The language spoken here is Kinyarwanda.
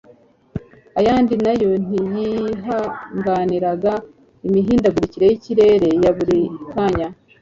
Ayandi na yo ntiyihanganiraga imihindagurikire y'ikirere ya buri kanya.